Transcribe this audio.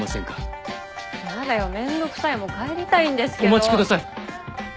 お待ちください。